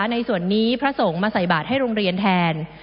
ในส่วนนี้พระสงฆ์มาใส่บาทให้โรงเรียนแทน